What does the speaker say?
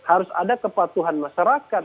ada kepatuhan masyarakat